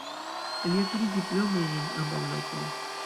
Li akiris diplomojn en ambaŭ lokoj.